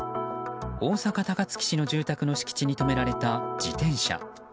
大阪・高槻市の住宅の敷地に止められた自転車。